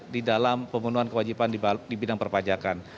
di dalam pemenuhan kewajiban di bidang perpajakan